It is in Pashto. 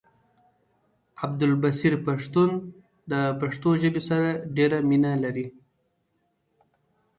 عبدالبصير پښتون د پښتو ژبې سره ډيره مينه لري